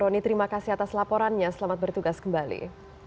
roni terima kasih atas laporannya selamat bertugas kembali